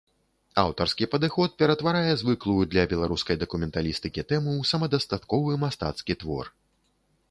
Аўтарскі падыход ператварае звыклую для беларускай дакументалістыкі тэму ў самадастатковы мастацкі твор.